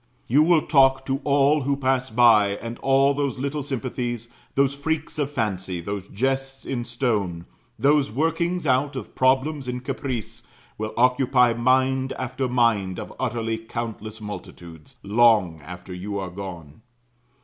You will talk to all who pass by; and all those little sympathies, those freaks of fancy, those jests in stone, those workings out of problems in caprice, will occupy mind after mind of utterly countless multitudes, long after you are gone.